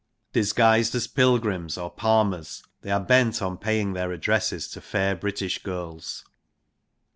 Disguised as pilgrims or palmers they are bent on paying their addresses to fair British girls.